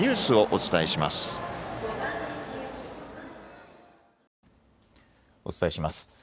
お伝えします。